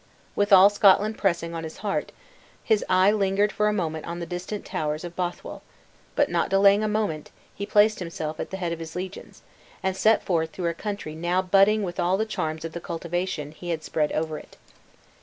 With all Scotland pressing on his heart, his eye lingered for a moment on the distant towers of Bothwell; but not delaying a moment, he placed himself at the head of his legions, and set forth through a country now budding with all the charms of the cultivation he had spread over it.